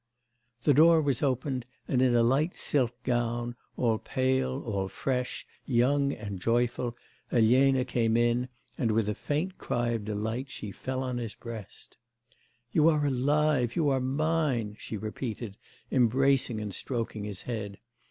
The door was opened, and in a light silk gown, all pale, all fresh, young and joyful, Elena came in, and with a faint cry of delight she fell on his breast. 'You are alive, you are mine,' she repeated, embracing and stroking his head.